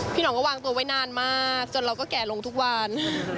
ห่องก็วางตัวไว้นานมากจนเราก็แก่ลงทุกวัน